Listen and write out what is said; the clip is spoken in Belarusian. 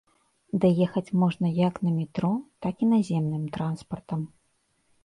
Даехаць можна як на метро, так і наземным транспартам.